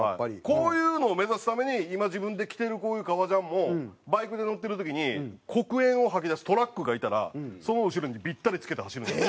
こういうのを目指すために今自分で着てるこういう革ジャンもバイクで乗ってる時に黒煙を吐き出すトラックがいたらその後ろにビッタリつけて走るんです。